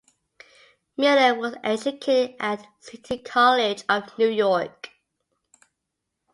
Miller was educated at City College of New York.